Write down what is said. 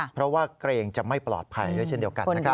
เพราะว่าเกรงจะไม่ปลอดภัยด้วยเช่นเดียวกันนะครับ